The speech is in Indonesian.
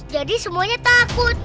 jadi semuanya takut